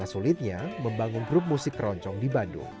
sulitnya membangun grup musik keroncong di bandung